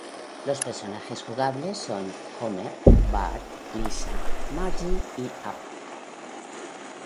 Los personajes jugables son Homer, Bart, Lisa, Marge y Apu.